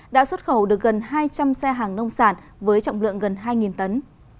đã xuất khẩu được gần hai trăm linh xe hàng nông sản với trọng lượng gần hai tấn